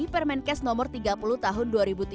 permenkes nomor tiga puluh tahun dua ribu tiga belas